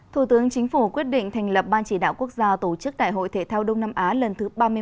thủ tướng chính phủ quyết định thành lập ban chỉ đạo quốc gia tổ chức đại hội thể thao đông nam á lần thứ ba mươi một